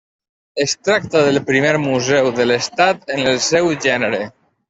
Es tracta del primer museu de l’estat en el seu gènere.